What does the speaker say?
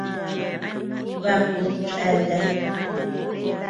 Bakud cheatea.